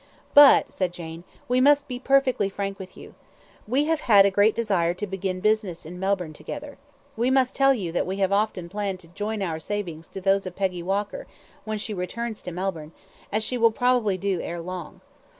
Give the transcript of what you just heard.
"But," said Jane, "we must be perfectly frank with you. We have had a great desire to begin business in Melbourne together. We must tell you that we have often planned to join our savings to those of Peggy Walker, when she returns to Melbourne, as she will probably do ere long.